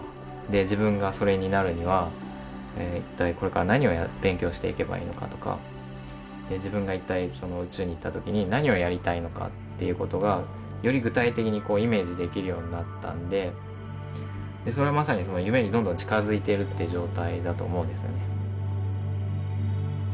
自分がそれになるには一体これから何を勉強していけばいいのかとか自分が一体宇宙に行った時に何をやりたいのかっていう事がより具体的にイメージできるようになったんでそれはまさに夢にどんどん近づいているっていう状態だと思うんですよね。